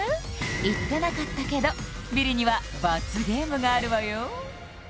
言ってなかったけどビリには罰ゲームがあるわよ